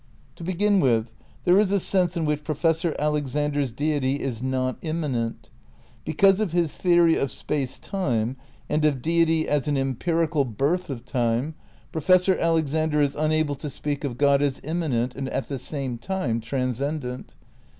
To begin with, there is a sense in which Professor Alexander's Deity is not immanent. Because of his theory of Space Time, and of deity as an empirical 212 THE NEW IDEALISM v birth of Time, Professor Alexander is unable to speak of God as immanent and at the same time transcendent.